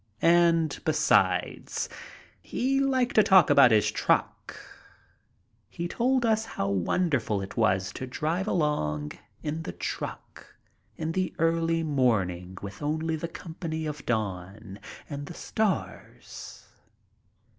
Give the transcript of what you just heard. And, besides, he liked to talk about his truck. He told us how wonderful it was to drive along in the 142 MY TRIP ABROAD early morning with only the company of dawn and the stars.